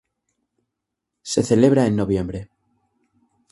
Se celebra en noviembre.